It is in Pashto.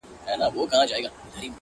• نه په غم کي د ګورم نه د ګوروان وو ,